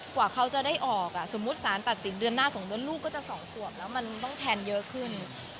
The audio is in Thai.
กว่าเขาจะได้ออกสมมุติสารตัดสินเดือนหน้า๒เดือนลูกก็จะ๒ขวบแล้วมันต้องแทนเยอะขึ้น